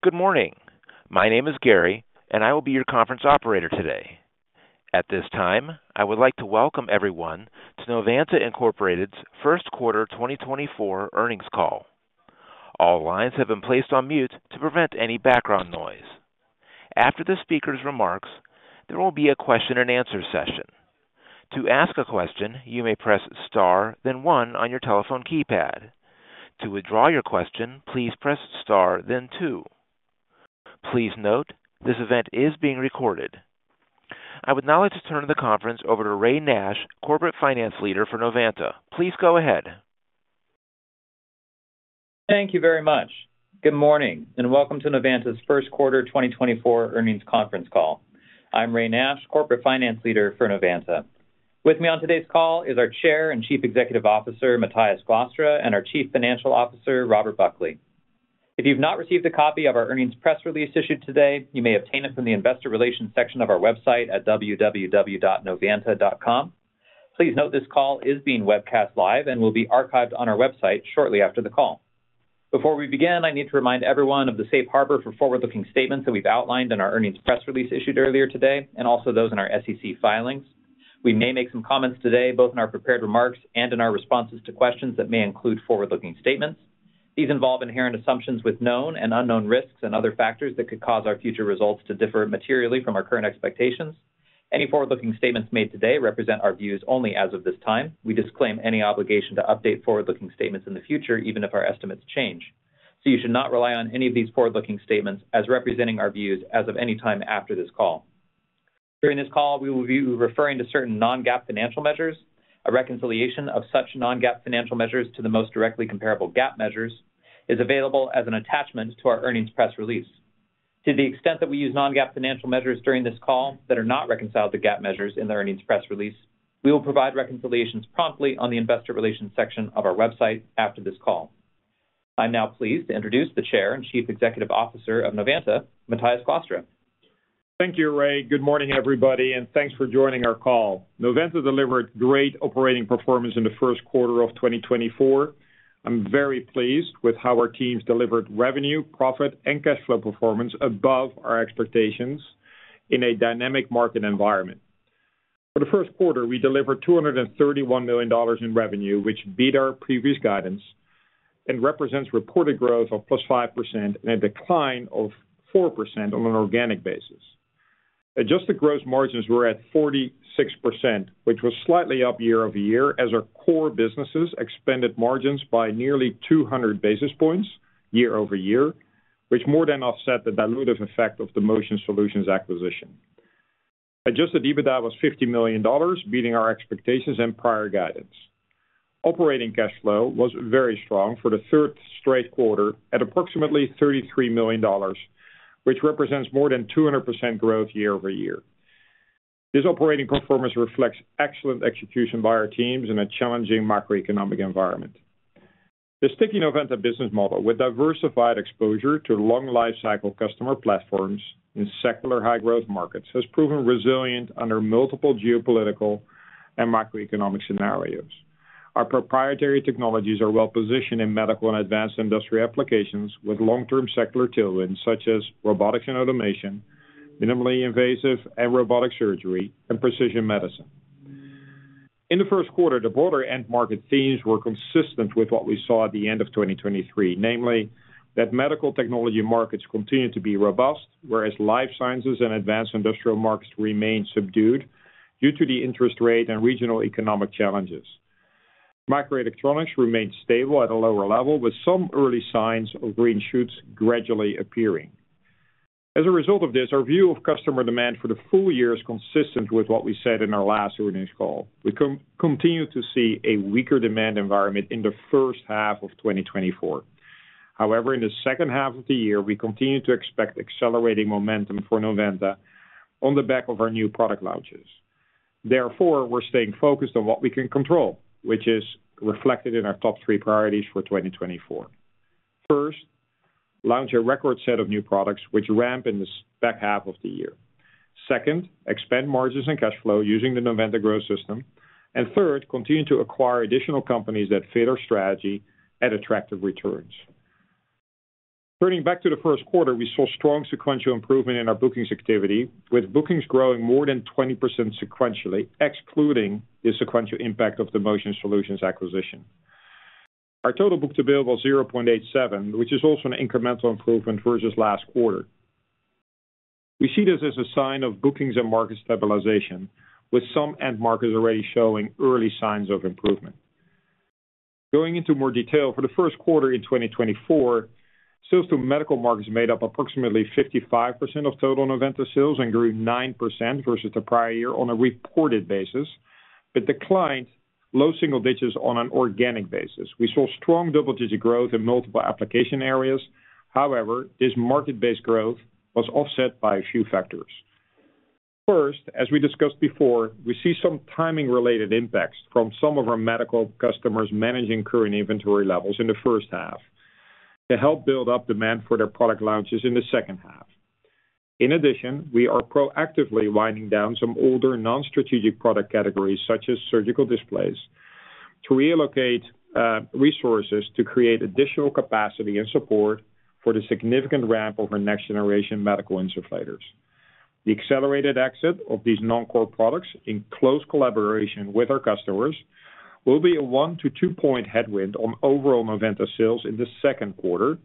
Good morning. My name is Gary, and I will be your conference operator today. At this time, I would like to welcome everyone to Novanta Incorporated's first quarter 2024 earnings call. All lines have been placed on mute to prevent any background noise. After the speaker's remarks, there will be a question-and-answer session. To ask a question, you may press star, then one on your telephone keypad. To withdraw your question, please press star, then two. Please note, this event is being recorded. I would now like to turn the conference over to Ray Nash, Corporate Finance Leader for Novanta. Please go ahead. Thank you very much. Good morning, and welcome to Novanta's first quarter 2024 earnings conference call. I'm Ray Nash, Corporate Finance Leader for Novanta. With me on today's call is our Chair and Chief Executive Officer, Matthijs Glastra, and our Chief Financial Officer, Robert Buckley. If you've not received a copy of our earnings press release issued today, you may obtain it from the investor relations section of our website at www.novanta.com. Please note this call is being webcast live and will be archived on our website shortly after the call. Before we begin, I need to remind everyone of the Safe Harbor for forward-looking statements that we've outlined in our earnings press release issued earlier today, and also those in our SEC filings. We may make some comments today, both in our prepared remarks and in our responses to questions that may include forward-looking statements. These involve inherent assumptions with known and unknown risks and other factors that could cause our future results to differ materially from our current expectations. Any forward-looking statements made today represent our views only as of this time. We disclaim any obligation to update forward-looking statements in the future, even if our estimates change. So you should not rely on any of these forward-looking statements as representing our views as of any time after this call. During this call, we will be referring to certain non-GAAP financial measures. A reconciliation of such non-GAAP financial measures to the most directly comparable GAAP measures is available as an attachment to our earnings press release. To the extent that we use non-GAAP financial measures during this call that are not reconciled to GAAP measures in the earnings press release, we will provide reconciliations promptly on the investor relations section of our website after this call. I'm now pleased to introduce the Chair and Chief Executive Officer of Novanta, Matthijs Glastra. Thank you, Ray. Good morning, everybody, and thanks for joining our call. Novanta delivered great operating performance in the first quarter of 2024. I'm very pleased with how our teams delivered revenue, profit, and cash flow performance above our expectations in a dynamic market environment. For the first quarter, we delivered $231 million in revenue, which beat our previous guidance and represents reported growth of +5% and a decline of 4% on an organic basis. Adjusted gross margins were at 46%, which was slightly up year-over-year, as our core businesses expanded margins by nearly 200 basis points year-over-year, which more than offset the dilutive effect of the Motion Solutions acquisition. Adjusted EBITDA was $50 million, beating our expectations and prior guidance. Operating cash flow was very strong for the third straight quarter at approximately $33 million, which represents more than 200% growth year-over-year. This operating performance reflects excellent execution by our teams in a challenging macroeconomic environment. The sticky Novanta business model, with diversified exposure to long lifecycle customer platforms in secular high-growth markets, has proven resilient under multiple geopolitical and macroeconomic scenarios. Our proprietary technologies are well positioned in medical and advanced industry applications with long-term secular tailwinds, such as robotics and automation, minimally invasive and robotic surgery, and precision medicine. In the first quarter, the broader end market themes were consistent with what we saw at the end of 2023, namely, that medical technology markets continued to be robust, whereas life sciences and advanced industrial markets remained subdued due to the interest rate and regional economic challenges. Microelectronics remained stable at a lower level, with some early signs of green shoots gradually appearing. As a result of this, our view of customer demand for the full year is consistent with what we said in our last earnings call. We continue to see a weaker demand environment in the first half of 2024. However, in the second half of the year, we continue to expect accelerating momentum for Novanta on the back of our new product launches. Therefore, we're staying focused on what we can control, which is reflected in our top three priorities for 2024. First, launch a record set of new products which ramp in the back half of the year. Second, expand margins and cash flow using the Novanta Growth System. And third, continue to acquire additional companies that fit our strategy at attractive returns. Turning back to the first quarter, we saw strong sequential improvement in our bookings activity, with bookings growing more than 20% sequentially, excluding the sequential impact of the Motion Solutions acquisition. Our total book-to-bill was 0.87, which is also an incremental improvement versus last quarter. We see this as a sign of bookings and market stabilization, with some end markets already showing early signs of improvement. Going into more detail, for the first quarter in 2024, sales to medical markets made up approximately 55% of total Novanta sales and grew 9% versus the prior year on a reported basis, but declined low single digits on an organic basis. We saw strong double-digit growth in multiple application areas. However, this market-based growth was offset by a few factors. First, as we discussed before, we see some timing-related impacts from some of our medical customers managing current inventory levels in the first half to help build up demand for their product launches in the second half. In addition, we are proactively winding down some older non-strategic product categories, such as surgical displays, to reallocate resources to create additional capacity and support for the significant ramp over next-generation medical insufflators. The accelerated exit of these non-core products, in close collaboration with our customers, will be a 1-2-point headwind on overall Novanta sales in the second quarter,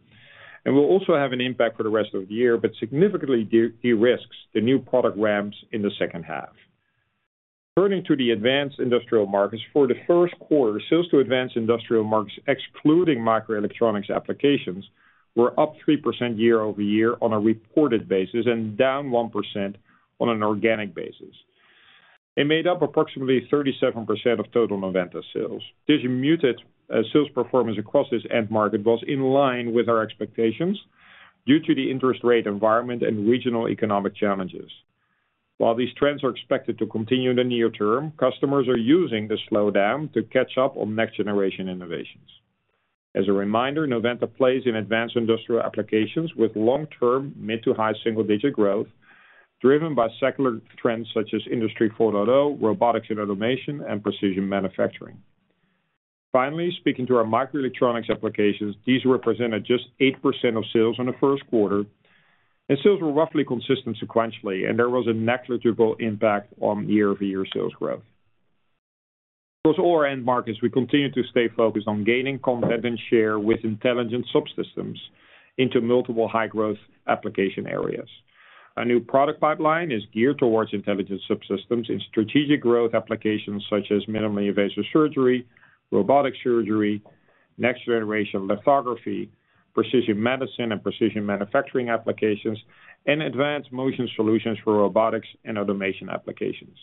and will also have an impact for the rest of the year, but significantly derisks the new product ramps in the second half. Turning to the advanced industrial markets. For the first quarter, sales to advanced industrial markets, excluding microelectronics applications, were up 3% year-over-year on a reported basis and down 1% on an organic basis. It made up approximately 37% of total Novanta sales. This muted sales performance across this end market was in line with our expectations due to the interest rate environment and regional economic challenges. While these trends are expected to continue in the near term, customers are using the slowdown to catch up on next-generation innovations. As a reminder, Novanta plays in advanced industrial applications with long-term mid-to-high single-digit growth, driven by secular trends such as Industry 4.0, robotics and automation, and precision manufacturing. Finally, speaking to our microelectronics applications, these represented just 8% of sales in the first quarter, and sales were roughly consistent sequentially, and there was a negligible impact on year-over-year sales growth. Across all our end markets, we continue to stay focused on gaining content and share with intelligent subsystems into multiple high-growth application areas. Our new product pipeline is geared towards intelligent subsystems in strategic growth applications such as minimally invasive surgery, robotic surgery, next-generation lithography, precision medicine, and precision manufacturing applications, and advanced motion solutions for robotics and automation applications.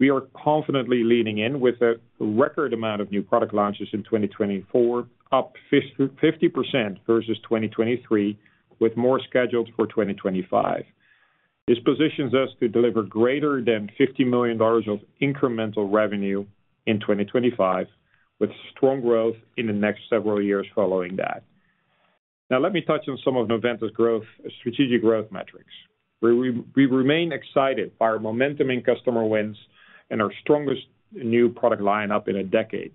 We are confidently leaning in with a record amount of new product launches in 2024, up 50% versus 2023, with more scheduled for 2025. This positions us to deliver greater than $50 million of incremental revenue in 2025, with strong growth in the next several years following that. Now, let me touch on some of Novanta's growth, strategic growth metrics, where we, we remain excited by our momentum in customer wins and our strongest new product line up in a decade.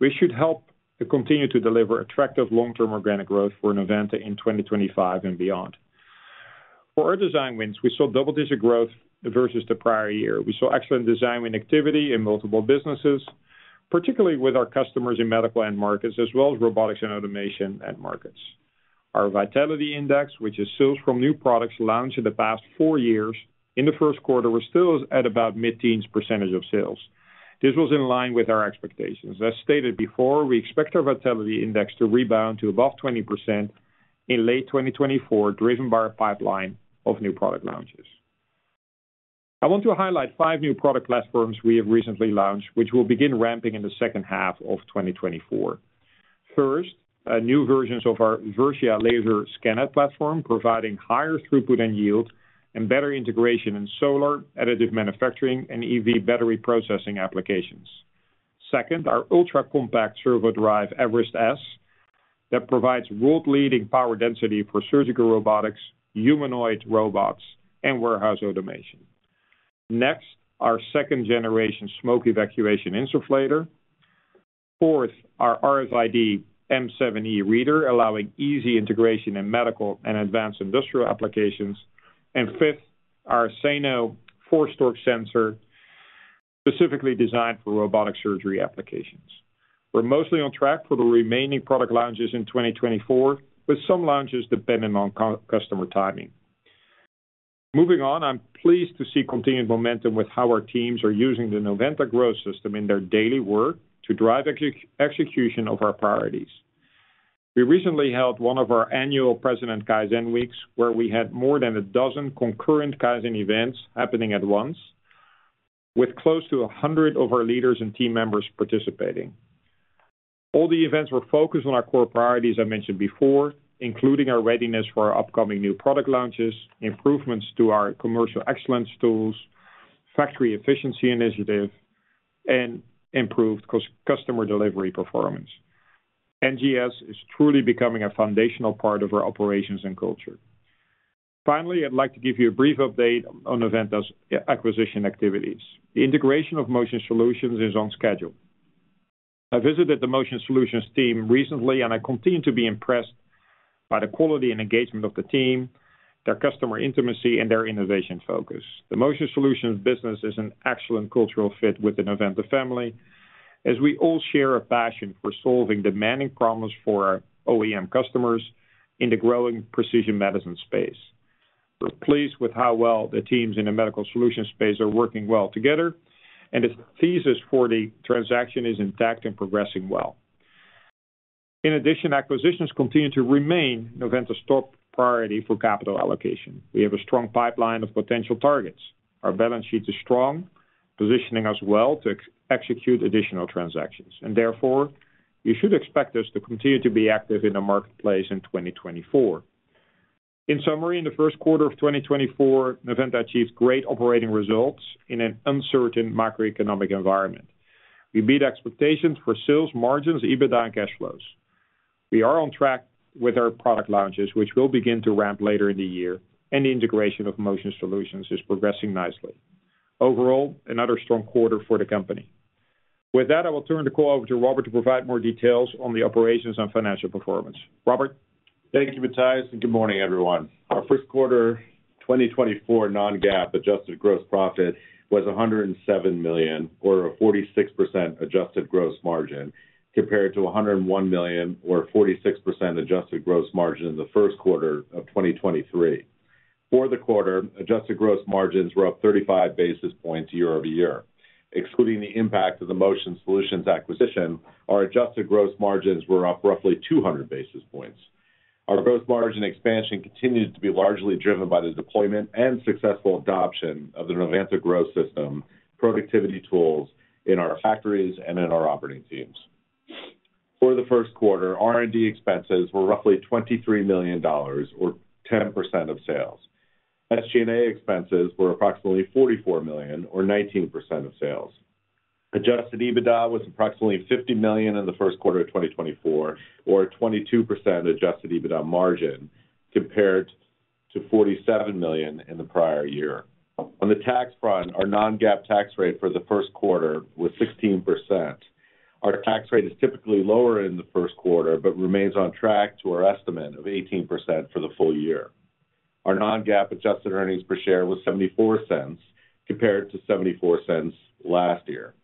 We should help to continue to deliver attractive long-term organic growth for Novanta in 2025 and beyond. For our design wins, we saw double-digit growth versus the prior year. We saw excellent design win activity in multiple businesses, particularly with our customers in medical end markets, as well as robotics and automation end markets. Our Vitality Index, which is sales from new products launched in the past four years, in the first quarter, was still at about mid-teens percentage of sales. This was in line with our expectations. As stated before, we expect our Vitality Index to rebound to above 20% in late 2024, driven by our pipeline of new product launches. I want to highlight five new product platforms we have recently launched, which will begin ramping in the second half of 2024. First, new versions of our Versia laser scanner platform, providing higher throughput and yield and better integration in solar, additive manufacturing, and EV battery processing applications. Second, our ultra-compact servo drive, Everest S, that provides world-leading power density for surgical robotics, humanoid robots, and warehouse automation. Next, our second-generation smoke evacuation insufflator. Fourth, our RFID M7e reader, allowing easy integration in medical and advanced industrial applications. And fifth, our Nano force torque sensor, specifically designed for robotic surgery applications. We're mostly on track for the remaining product launches in 2024, with some launches dependent on customer timing. Moving on, I'm pleased to see continued momentum with how our teams are using the Novanta Growth System in their daily work to drive execution of our priorities. We recently held one of our annual President Kaizen Weeks, where we had more than a dozen concurrent Kaizen events happening at once, with close to a hundred of our leaders and team members participating. All the events were focused on our core priorities I mentioned before, including our readiness for our upcoming new product launches, improvements to our commercial excellence tools, factory efficiency initiative, and improved customer delivery performance. NGS is truly becoming a foundational part of our operations and culture. Finally, I'd like to give you a brief update on Novanta's acquisition activities. The integration of Motion Solutions is on schedule. I visited the Motion Solutions team recently, and I continue to be impressed by the quality and engagement of the team, their customer intimacy, and their innovation focus. The Motion Solutions business is an excellent cultural fit with the Novanta family, as we all share a passion for solving demanding problems for our OEM customers in the growing precision medicine space. We're pleased with how well the teams in the Medical solutions space are working well together, and the thesis for the transaction is intact and progressing well. In addition, acquisitions continue to remain Novanta's top priority for capital allocation. We have a strong pipeline of potential targets. Our balance sheet is strong, positioning us well to execute additional transactions, and therefore, you should expect us to continue to be active in the marketplace in 2024. In summary, in the first quarter of 2024, Novanta achieved great operating results in an uncertain macroeconomic environment. We beat expectations for sales margins, EBITDA, and cash flows. We are on track with our product launches, which will begin to ramp later in the year, and the integration of Motion Solutions is progressing nicely. Overall, another strong quarter for the company. With that, I will turn the call over to Robert to provide more details on the operations and financial performance. Robert? Thank you, Matthijs, and good morning, everyone. Our first quarter 2024 non-GAAP adjusted gross profit was $107 million, or a 46% adjusted gross margin, compared to $101 million, or 46% adjusted gross margin in the first quarter of 2023. For the quarter, adjusted gross margins were up 35 basis points year-over-year. Excluding the impact of the Motion Solutions acquisition, our adjusted gross margins were up roughly 200 basis points. Our gross margin expansion continued to be largely driven by the deployment and successful adoption of the Novanta Growth System productivity tools in our factories and in our operating teams. For the first quarter, R&D expenses were roughly $23 million, or 10% of sales. SG&A expenses were approximately $44 million, or 19% of sales. Adjusted EBITDA was approximately $50 million in the first quarter of 2024, or a 22% adjusted EBITDA margin, compared to $47 million in the prior year. On the tax front, our non-GAAP tax rate for the first quarter was 16%. Our tax rate is typically lower in the first quarter, but remains on track to our estimate of 18% for the full year. Our non-GAAP adjusted earnings per share was $0.74, compared to $0.74 last year.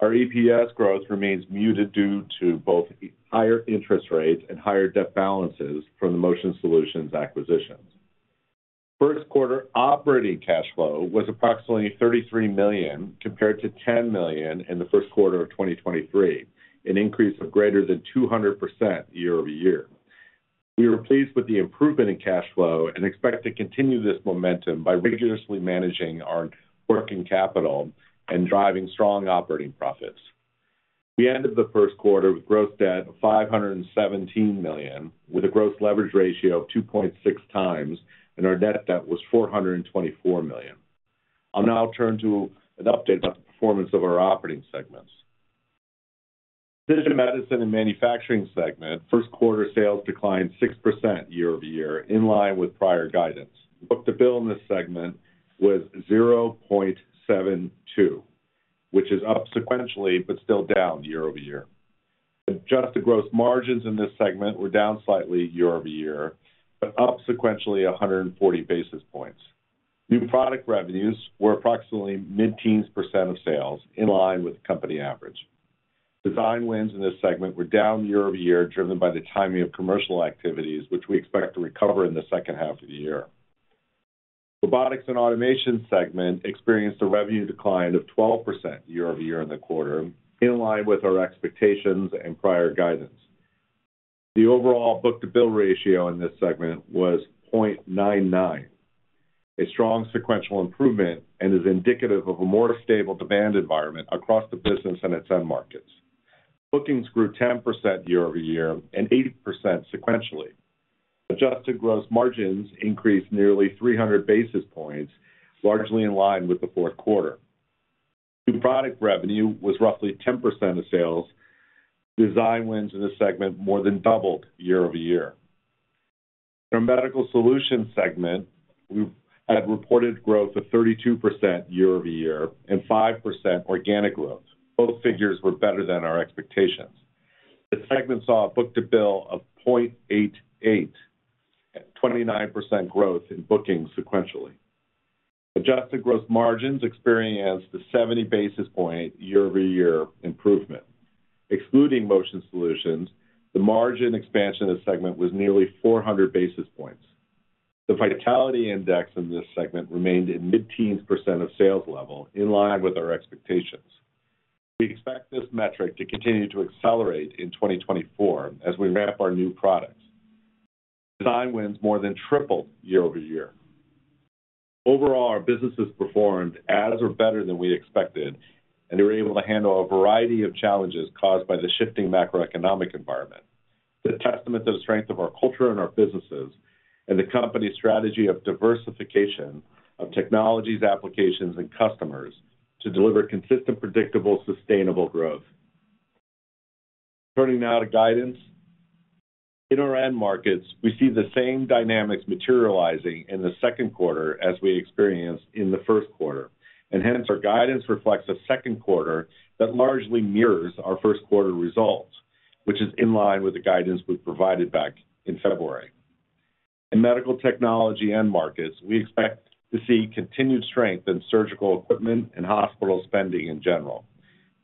Our EPS growth remains muted due to both higher interest rates and higher debt balances from the Motion Solutions acquisitions. First quarter operating cash flow was approximately $33 million, compared to $10 million in the first quarter of 2023, an increase of greater than 200% year-over-year. We were pleased with the improvement in cash flow and expect to continue this momentum by rigorously managing our working capital and driving strong operating profits. We ended the first quarter with gross debt of $517 million, with a gross leverage ratio of 2.6x, and our net debt was $424 million. I'll now turn to an update about the performance of our operating segments. Precision Medicine and Manufacturing segment, first quarter sales declined 6% year-over-year, in line with prior guidance. Book-to-bill in this segment was 0.72, which is up sequentially, but still down year-over-year. Adjusted gross margins in this segment were down slightly year-over-year, but up sequentially 140 basis points. New product revenues were approximately mid-teens percent of sales, in line with the company average. Design wins in this segment were down year-over-year, driven by the timing of commercial activities, which we expect to recover in the second half of the year. Robotics and Automation segment experienced a revenue decline of 12% year-over-year in the quarter, in line with our expectations and prior guidance. The overall book-to-bill ratio in this segment was 0.99, a strong sequential improvement and is indicative of a more stable demand environment across the business and its end markets. Bookings grew 10% year-over-year and 8% sequentially. Adjusted gross margins increased nearly 300 basis points, largely in line with the fourth quarter. New product revenue was roughly 10% of sales. Design wins in this segment more than doubled year-over-year. In our Medical Solutions segment, we had reported growth of 32% year-over-year and 5% organic growth. Both figures were better than our expectations. The segment saw a book-to-bill of 0.88, at 29% growth in bookings sequentially. Adjusted gross margins experienced a 70 basis point year-over-year improvement. Excluding Motion Solutions, the margin expansion of the segment was nearly 400 basis points. The vitality index in this segment remained in mid-teens percent of sales level, in line with our expectations. We expect this metric to continue to accelerate in 2024 as we ramp our new products. Design wins more than tripled year-over-year. Overall, our businesses performed as or better than we expected, and they were able to handle a variety of challenges caused by the shifting macroeconomic environment. It's a testament to the strength of our culture and our businesses and the company's strategy of diversification of technologies, applications, and customers to deliver consistent, predictable, sustainable growth. Turning now to guidance. In our end markets, we see the same dynamics materializing in the second quarter as we experienced in the first quarter, and hence, our guidance reflects a second quarter that largely mirrors our first quarter results, which is in line with the guidance we provided back in February. In medical technology end markets, we expect to see continued strength in surgical equipment and hospital spending in general.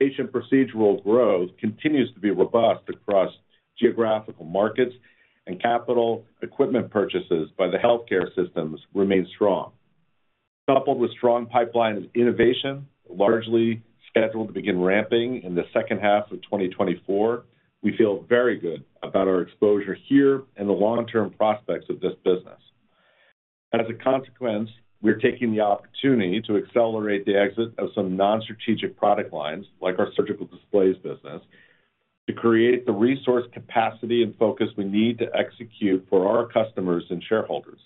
Patient procedural growth continues to be robust across geographical markets, and capital equipment purchases by the healthcare systems remain strong. Coupled with strong pipeline innovation, largely scheduled to begin ramping in the second half of 2024, we feel very good about our exposure here and the long-term prospects of this business. As a consequence, we're taking the opportunity to accelerate the exit of some non-strategic product lines, like our surgical displays business, to create the resource, capacity, and focus we need to execute for our customers and shareholders....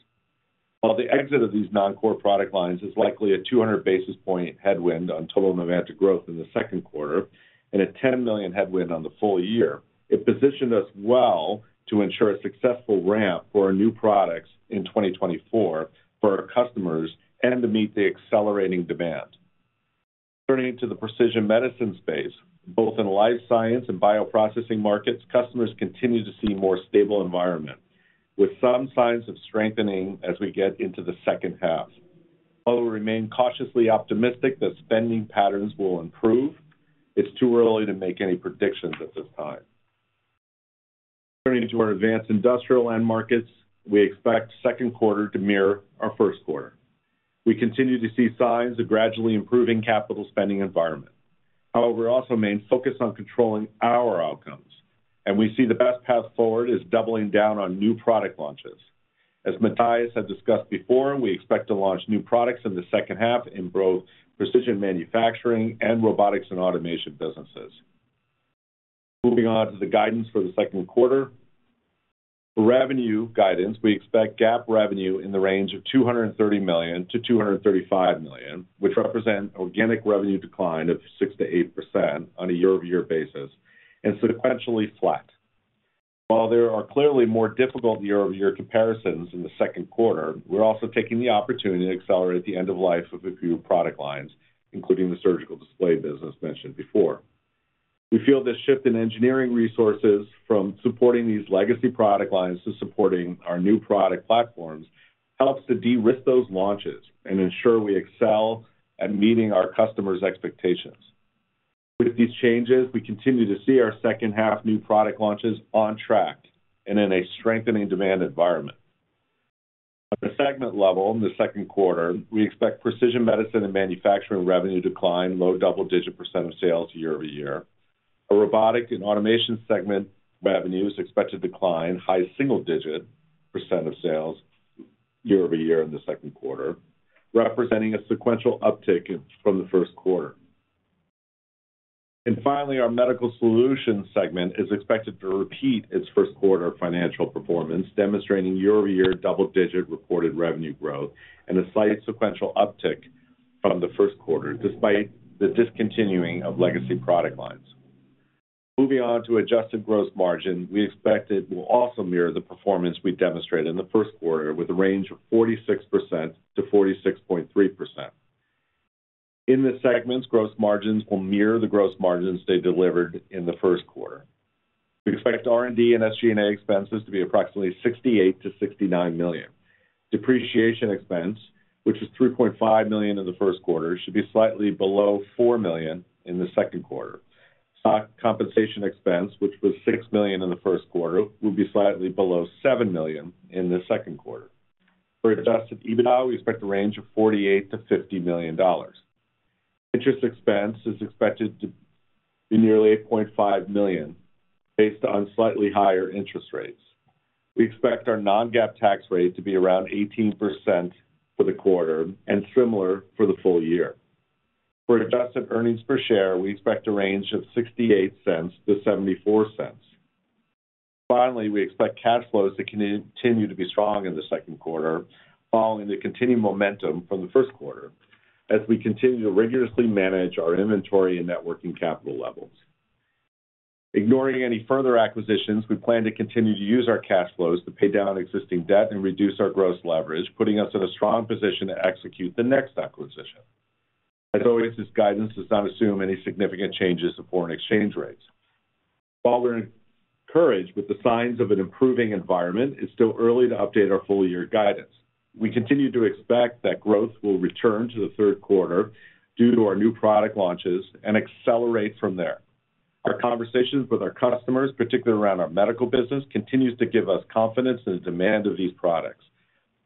While the exit of these non-core product lines is likely a 200 basis point headwind on total organic growth in the second quarter and a $10 million headwind on the full year, it positioned us well to ensure a successful ramp for our new products in 2024 for our customers and to meet the accelerating demand. Turning to the precision medicine space, both in life science and bioprocessing markets, customers continue to see more stable environment, with some signs of strengthening as we get into the second half. While we remain cautiously optimistic that spending patterns will improve, it's too early to make any predictions at this time. Turning to our advanced industrial end markets, we expect second quarter to mirror our first quarter. We continue to see signs of gradually improving capital spending environment. However, we also remain focused on controlling our outcomes, and we see the best path forward is doubling down on new product launches. As Matthijs had discussed before, we expect to launch new products in the second half in both precision manufacturing and robotics and automation businesses. Moving on to the guidance for the second quarter. For revenue guidance, we expect GAAP revenue in the range of $230 million-$235 million, which represent organic revenue decline of 6%-8% on a year-over-year basis and sequentially flat. While there are clearly more difficult year-over-year comparisons in the second quarter, we're also taking the opportunity to accelerate the end of life of a few product lines, including the surgical display business mentioned before. We feel this shift in engineering resources from supporting these legacy product lines to supporting our new product platforms helps to de-risk those launches and ensure we excel at meeting our customers' expectations. With these changes, we continue to see our second half new product launches on track and in a strengthening demand environment. At the segment level, in the second quarter, we expect Precision Medicine and Manufacturing revenue decline, low double-digit percent of sales year-over-year. Our Robotic and Automation segment revenue is expected to decline high single-digit percent of sales year-over-year in the second quarter, representing a sequential uptick in from the first quarter. Finally, our medical solutions segment is expected to repeat its first quarter financial performance, demonstrating year-over-year double-digit reported revenue growth and a slight sequential uptick from the first quarter, despite the discontinuing of legacy product lines. Moving on to adjusted gross margin, we expect it will also mirror the performance we've demonstrated in the first quarter with a range of 46%-46.3%. In the segments, gross margins will mirror the gross margins they delivered in the first quarter. We expect R&D and SG&A expenses to be approximately $68-$69 million. Depreciation expense, which was $3.5 million in the first quarter, should be slightly below $4 million in the second quarter. Stock compensation expense, which was $6 million in the first quarter, will be slightly below $7 million in the second quarter. For Adjusted EBITDA, we expect a range of $48-$50 million. Interest expense is expected to be nearly $8.5 million, based on slightly higher interest rates. We expect our non-GAAP tax rate to be around 18% for the quarter and similar for the full year. For adjusted earnings per share, we expect a range of $0.68-$0.74. Finally, we expect cash flows to continue to be strong in the second quarter, following the continued momentum from the first quarter, as we continue to rigorously manage our inventory and net working capital levels. Ignoring any further acquisitions, we plan to continue to use our cash flows to pay down existing debt and reduce our gross leverage, putting us in a strong position to execute the next acquisition. As always, this guidance does not assume any significant changes to foreign exchange rates. While we're encouraged with the signs of an improving environment, it's still early to update our full year guidance. We continue to expect that growth will return to the third quarter due to our new product launches and accelerate from there. Our conversations with our customers, particularly around our medical business, continues to give us confidence in the demand of these products,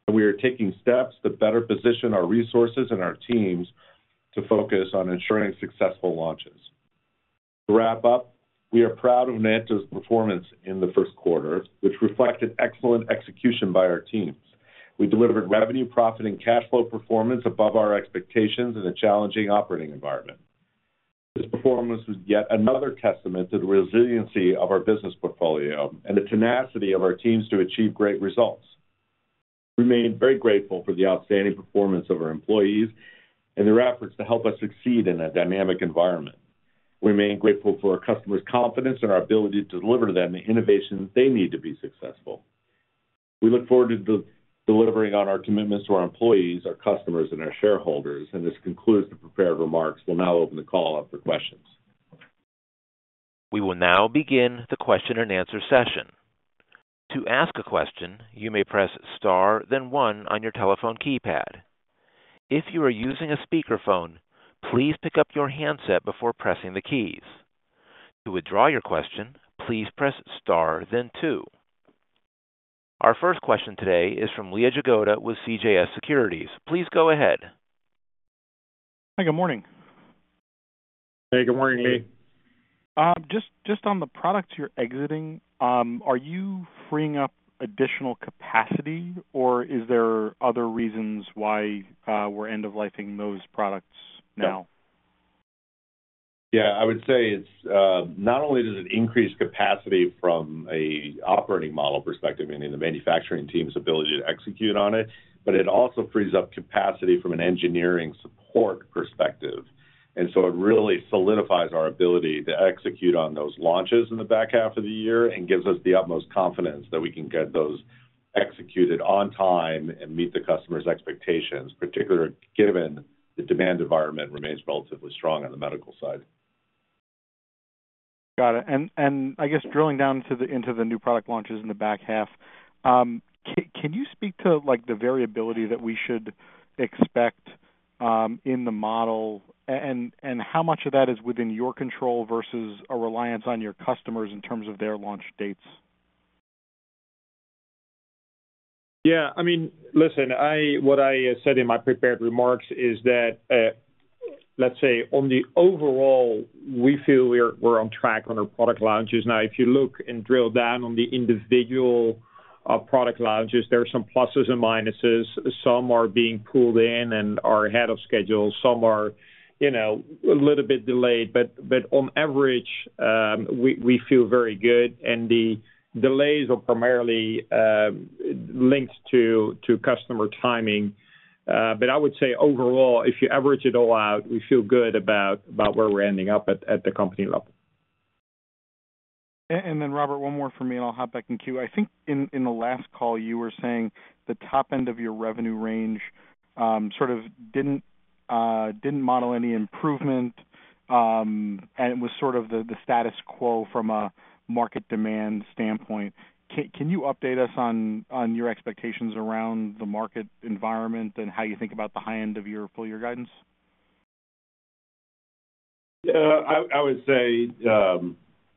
and we are taking steps to better position our resources and our teams to focus on ensuring successful launches. To wrap up, we are proud of Novanta's performance in the first quarter, which reflected excellent execution by our teams. We delivered revenue, profit, and cash flow performance above our expectations in a challenging operating environment. This performance was yet another testament to the resiliency of our business portfolio and the tenacity of our teams to achieve great results. We remain very grateful for the outstanding performance of our employees and their efforts to help us succeed in a dynamic environment. We remain grateful for our customers' confidence and our ability to deliver to them the innovation they need to be successful. We look forward to delivering on our commitments to our employees, our customers, and our shareholders. This concludes the prepared remarks. We'll now open the call up for questions. We will now begin the question and answer session. To ask a question, you may press star, then one on your telephone keypad. If you are using a speakerphone, please pick up your handset before pressing the keys. To withdraw your question, please press star then two. Our first question today is from Lee Jagoda with CJS Securities. Please go ahead. Hi, good morning. Hey, good morning, Lee. Just, just on the products you're exiting, are you freeing up additional capacity, or is there other reasons why we're end-of-lifing those products now?... Yeah, I would say it's not only does it increase capacity from an operating model perspective, meaning the manufacturing team's ability to execute on it, but it also frees up capacity from an engineering support perspective. And so it really solidifies our ability to execute on those launches in the back half of the year and gives us the utmost confidence that we can get those executed on time and meet the customer's expectations, particularly, given the demand environment remains relatively strong on the medical side. Got it. I guess drilling down into the new product launches in the back half, can you speak to, like, the variability that we should expect in the model, and how much of that is within your control versus a reliance on your customers in terms of their launch dates? Yeah, I mean, listen, what I said in my prepared remarks is that, let's say, on the overall, we feel we're on track on our product launches. Now, if you look and drill down on the individual product launches, there are some pluses and minuses. Some are being pulled in and are ahead of schedule, some are, you know, a little bit delayed, but on average, we feel very good. And the delays are primarily linked to customer timing. But I would say overall, if you average it all out, we feel good about where we're ending up at the company level. And then, Robert, one more for me, and I'll hop back in queue. I think in the last call, you were saying the top end of your revenue range sort of didn't, didn't model any improvement, and it was sort of the status quo from a market demand standpoint. Can you update us on your expectations around the market environment and how you think about the high end of your full year guidance? Yeah, I would say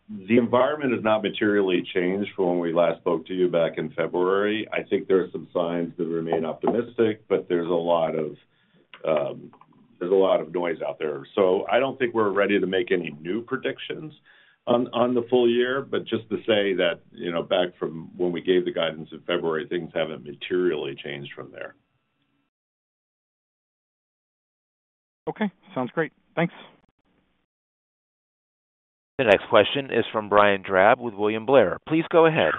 the environment has not materially changed from when we last spoke to you back in February. I think there are some signs that remain optimistic, but there's a lot of noise out there. So I don't think we're ready to make any new predictions on the full year. But just to say that, you know, back from when we gave the guidance in February, things haven't materially changed from there. Okay, sounds great. Thanks. The next question is from Brian Drab with William Blair. Please go ahead.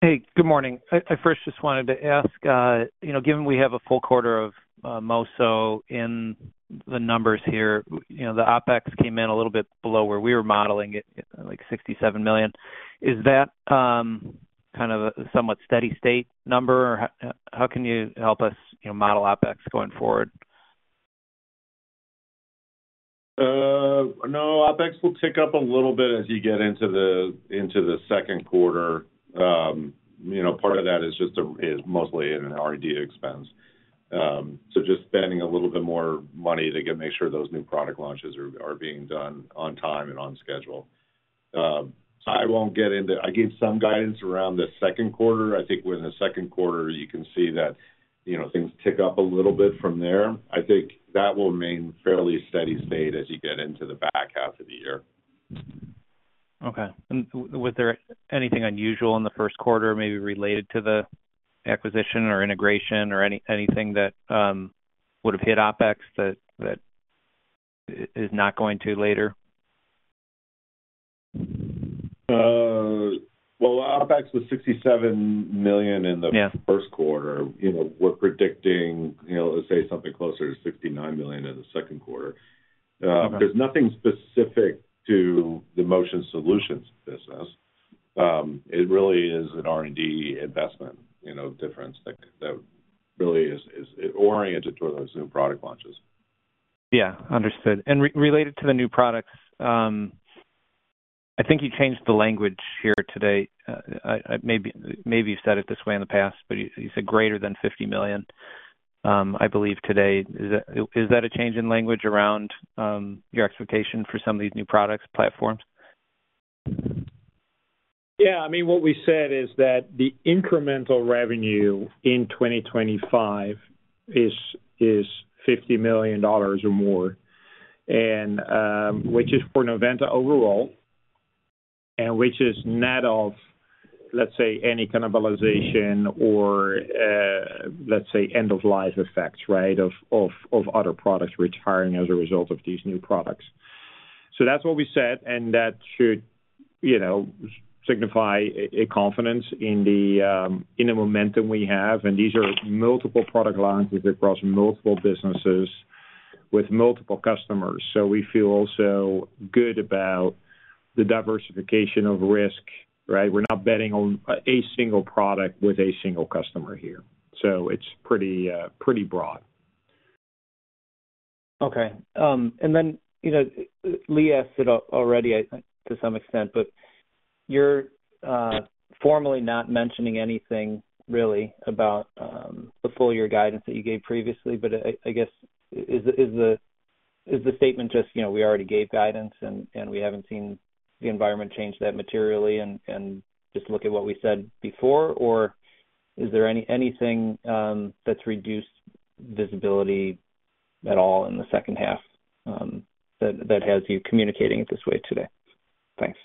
Hey, good morning. I first just wanted to ask, you know, given we have a full quarter of Motion Solutions in the numbers here, you know, the OpEx came in a little bit below where we were modeling it, like, $67 million. Is that kind of a somewhat steady state number? Or how can you help us, you know, model OpEx going forward? No, OpEx will tick up a little bit as you get into the second quarter. You know, part of that is just is mostly an R&D expense. So just spending a little bit more money to make sure those new product launches are being done on time and on schedule. I won't get into... I gave some guidance around the second quarter. I think within the second quarter, you can see that, you know, things tick up a little bit from there. I think that will remain fairly steady state as you get into the back half of the year. Okay. And was there anything unusual in the first quarter, maybe related to the acquisition or integration or anything that would have hit OpEx that is not going to later? Well, OpEx was $67 million in the- Yeah... first quarter. You know, we're predicting, you know, let's say something closer to $69 million in the second quarter. Okay. There's nothing specific to the Motion Solutions business. It really is an R&D investment, you know, different. That really is oriented toward those new product launches. Yeah, understood. And related to the new products, I think you changed the language here today. I maybe, maybe you said it this way in the past, but you, you said greater than $50 million, I believe today. Is that, is that a change in language around, your expectation for some of these new products platforms? Yeah, I mean, what we said is that the incremental revenue in 2025 is $50 million or more, and which is for Novanta overall, and which is net of, let's say, any cannibalization or, let's say, end-of-life effects, right, of other products retiring as a result of these new products. So that's what we said, and that should, you know, signify a confidence in the in the momentum we have. And these are multiple product launches across multiple businesses with multiple customers, so we feel also good about the diversification of risk, right? We're not betting on a single product with a single customer here. So it's pretty pretty broad. Okay, and then, you know, Lee asked it already, I think, to some extent, but you're formally not mentioning anything really about the full year guidance that you gave previously. But I guess is the statement just, you know, we already gave guidance, and we haven't seen the environment change that materially and just look at what we said before? Or is there anything that's reduced visibility at all in the second half, that has you communicating it this way today? Thanks....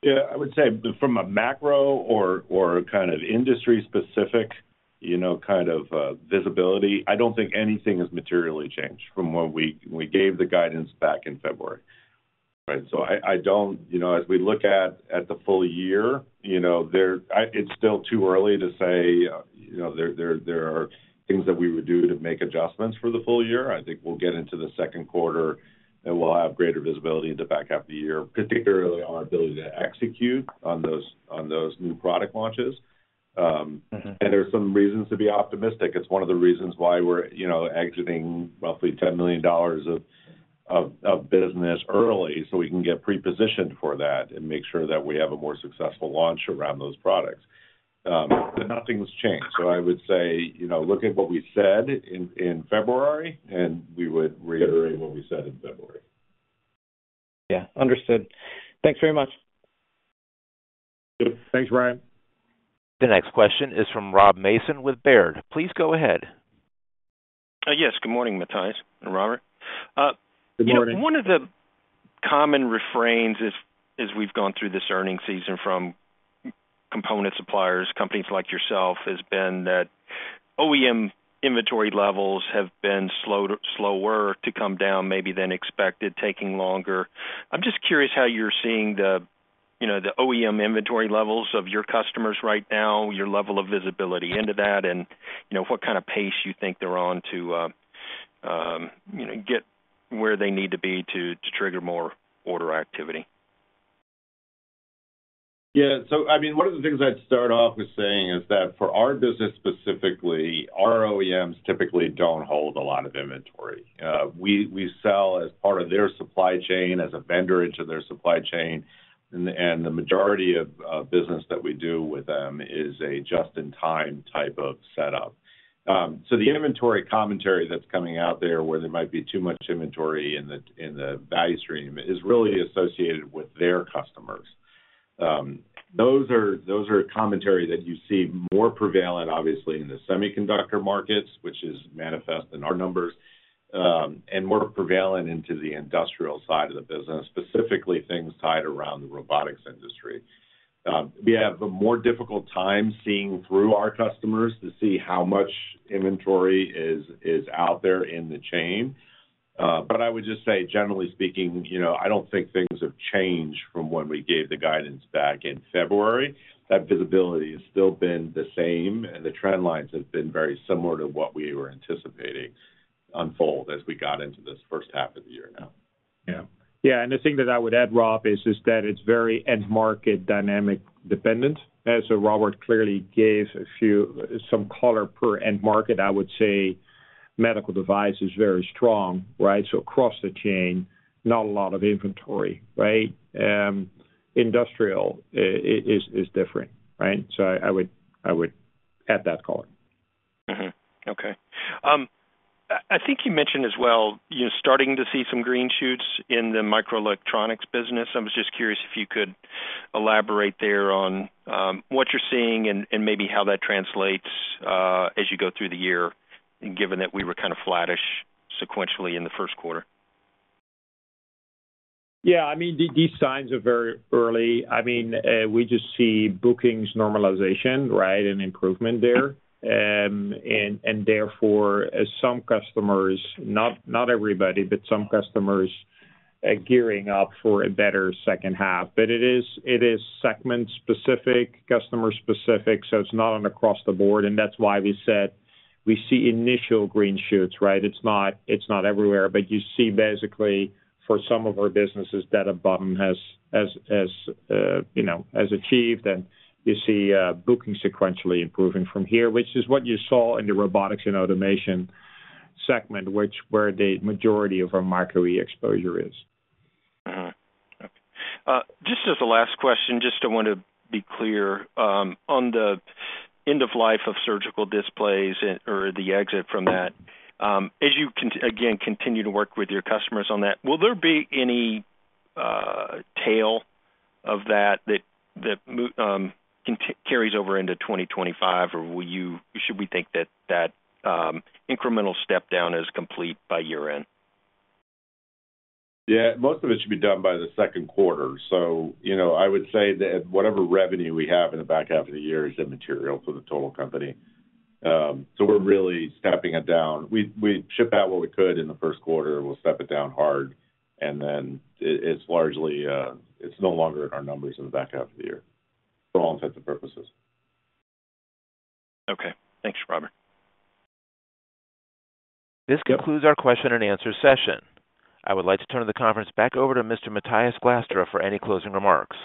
Yeah, I would say from a macro or kind of industry specific, you know, kind of visibility, I don't think anything has materially changed from when we gave the guidance back in February, right? So I don't. You know, as we look at the full year, you know, there. It's still too early to say, you know, there are things that we would do to make adjustments for the full year. I think we'll get into the second quarter, and we'll have greater visibility in the back half of the year, particularly on our ability to execute on those new product launches. Mm-hmm. There are some reasons to be optimistic. It's one of the reasons why we're, you know, exiting roughly $10 million of business early, so we can get pre-positioned for that and make sure that we have a more successful launch around those products. But nothing's changed. I would say, you know, look at what we said in February, and we would reiterate what we said in February. Yeah. Understood. Thanks very much. Thanks, Ryan. The next question is from Rob Mason with Baird. Please go ahead. Yes. Good morning, Matthijs and Robert. Good morning. One of the common refrains as, as we've gone through this earnings season from component suppliers, companies like yourself, has been that OEM inventory levels have been slow, slower to come down maybe than expected, taking longer. I'm just curious how you're seeing the, you know, the OEM inventory levels of your customers right now, your level of visibility into that, and, you know, what kind of pace you think they're on to, you know, get where they need to be to, to trigger more order activity. Yeah. So I mean, one of the things I'd start off with saying is that for our business specifically, our OEMs typically don't hold a lot of inventory. We sell as part of their supply chain, as a vendor into their supply chain, and the majority of business that we do with them is a just-in-time type of setup. So the inventory commentary that's coming out there, where there might be too much inventory in the value stream, is really associated with their customers. Those are commentary that you see more prevalent, obviously, in the semiconductor markets, which is manifest in our numbers, and more prevalent into the industrial side of the business, specifically things tied around the robotics industry. We have a more difficult time seeing through our customers to see how much inventory is out there in the chain. But I would just say, generally speaking, you know, I don't think things have changed from when we gave the guidance back in February. That visibility has still been the same, and the trend lines have been very similar to what we were anticipating unfold as we got into this first half of the year now. Yeah. Yeah, and the thing that I would add, Rob, is that it's very end market dynamic dependent. As so Robert clearly gave a few—some color per end market, I would say medical device is very strong, right? So across the chain, not a lot of inventory, right? Industrial is different, right? So I would add that color. Mm-hmm. Okay. I think you mentioned as well, you're starting to see some green shoots in the microelectronics business. I was just curious if you could elaborate there on what you're seeing and maybe how that translates as you go through the year, given that we were kind of flattish sequentially in the first quarter. Yeah. I mean, these signs are very early. I mean, we just see bookings normalization, right, and improvement there. And therefore, some customers, not, not everybody, but some customers are gearing up for a better second half. But it is, it is segment-specific, customer-specific, so it's not an across the board, and that's why we said we see initial green shoots, right? It's not, it's not everywhere. But you see basically for some of our businesses that a bottom has, you know, has achieved, and you see, booking sequentially improving from here, which is what you saw in the robotics and automation segment, which where the majority of our micro exposure is. Mm-hmm. Okay. Just as a last question, just I want to be clear, on the end of life of surgical displays or the exit from that, as you again continue to work with your customers on that, will there be any tail of that that carries over into 2025, or will you, should we think that that incremental step down is complete by year-end? Yeah, most of it should be done by the second quarter. So, you know, I would say that whatever revenue we have in the back half of the year is immaterial to the total company. So we're really stepping it down. We, we shipped out what we could in the first quarter. We'll step it down hard, and then it, it's largely, it's no longer in our numbers in the back half of the year, for all intents and purposes. Okay. Thanks, Robert. This concludes our question and answer session. I would like to turn the conference back over to Mr. Matthijs Glastra for any closing remarks.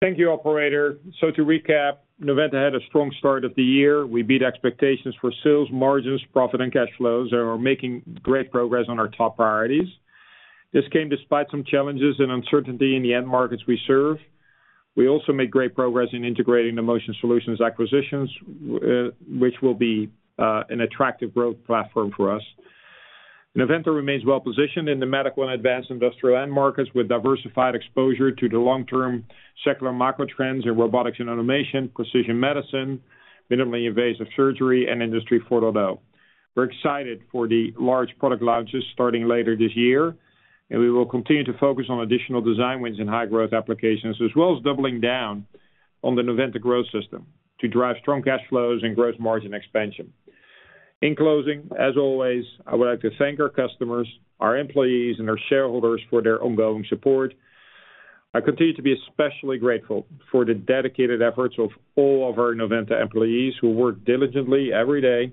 Thank you, operator. To recap, Novanta had a strong start of the year. We beat expectations for sales, margins, profit, and cash flows and are making great progress on our top priorities. This came despite some challenges and uncertainty in the end markets we serve. We also made great progress in integrating the Motion Solutions acquisitions, which will be an attractive growth platform for us. Novanta remains well positioned in the medical and advanced industrial end markets, with diversified exposure to the long-term secular macro trends in robotics and automation, precision medicine, minimally invasive surgery, and Industry 4.0. We're excited for the large product launches starting later this year, and we will continue to focus on additional design wins and high growth applications, as well as doubling down on the Novanta Growth System to drive strong cash flows and gross margin expansion. In closing, as always, I would like to thank our customers, our employees, and our shareholders for their ongoing support. I continue to be especially grateful for the dedicated efforts of all of our Novanta employees, who work diligently every day,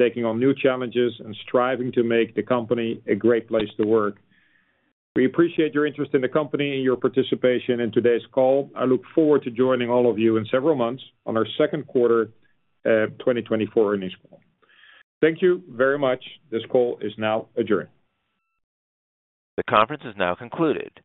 taking on new challenges and striving to make the company a great place to work. We appreciate your interest in the company and your participation in today's call. I look forward to joining all of you in several months on our second quarter 2024 earnings call. Thank you very much. This call is now adjourned. The conference is now concluded. Thank you.